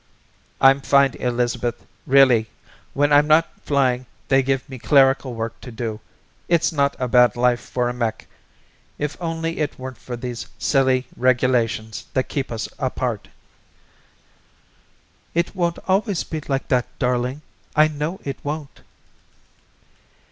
"I'm fine, Elizabeth, really. When I'm not flying they give me clerical work to do. It's not a bad life for a mech if only it weren't for these silly regulations that keep us apart." "It won't always be like that, darling. I know it won't."